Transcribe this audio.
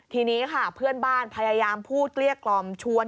ทีนี้ค่ะเพื่อนบ้านพยายามพูดเกลี้ยกล่อมชวน